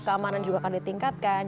keamanan juga akan ditingkatkan